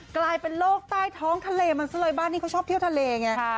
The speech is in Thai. กลายเป็นโลกใต้ท้องทะเลมันซะเลยบ้านนี้เขาชอบเที่ยวทะเลไง